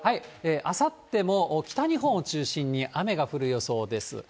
あさっても、北日本を中心に雨が降る予想です。